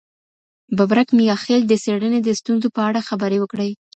ببرک میاخیل د څېړني د ستونزو په اړه خبري وکړې.